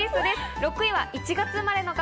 ６位は１月生まれの方。